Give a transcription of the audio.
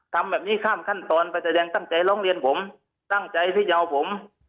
ทำแบบนี้ข้ามขั้นตอนไปแสดงตั้งใจร้องเรียนผมตั้งใจที่จะเอาผม